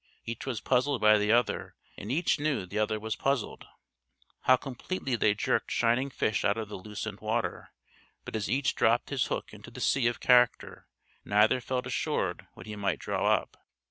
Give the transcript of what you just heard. Each was puzzled by the other, and each knew the other was puzzled. How completely they jerked shining fish out of the lucent water; but as each dropped his hook into the sea of character, neither felt assured what he might draw up.